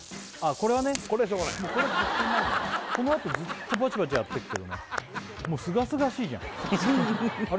このあとずっとバチバチやっていくけどねもうすがすがしいじゃんあれ？